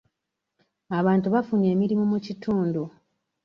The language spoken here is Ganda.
Abantu bafunye emirimu mu kitundu.